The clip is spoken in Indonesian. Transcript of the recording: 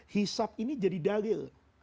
hisap ini jadi dalil